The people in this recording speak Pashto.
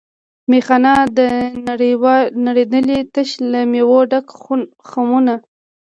میخانه ده نړېدلې تش له میو ډک خُمونه